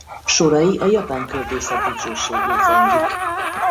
Sorai a japán költészet dicsőségét zengik.